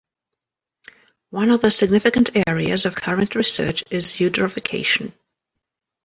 One of the significant areas of current research is eutrophication.